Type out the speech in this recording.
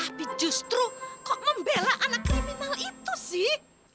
tapi justru kok membela anak kriminal itu sih